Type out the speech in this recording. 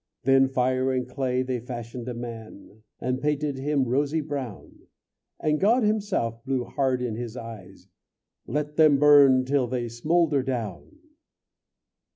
Then, fire and clay, they fashioned a man, And painted him rosy brown; And God himself blew hard in his eyes: "Let them burn till they smoulder down!"